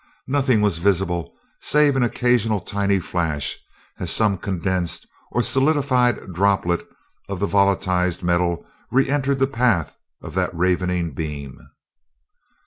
Nothing was visible save an occasional tiny flash, as some condensed or solidified droplet of the volatilized metal re entered the path of that ravening beam.